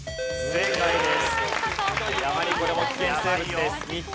正解です。